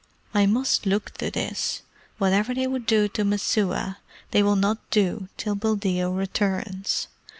I must look to this. Whatever they would do to Messua they will not do till Buldeo returns.